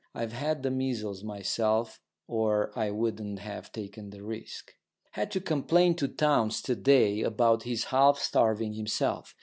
I've had the measles myself or I wouldn't have taken the risk. Had to complain to Townes to day about his half starving himself.